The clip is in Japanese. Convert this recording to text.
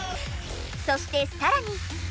そしてさらに。